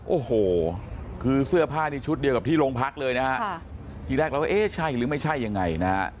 โอ้โหคือเสื้อผ้านี่ชุดเดียวกับที่โรงพักเลยนะฮะทีแรกเราก็เอ๊ะใช่หรือไม่ใช่ยังไงนะฮะ